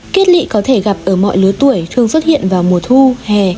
kết lị có thể gặp ở mọi lứa tuổi thường xuất hiện vào mùa thu hè